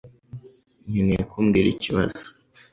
Nkeneye ko umbwira ikibazo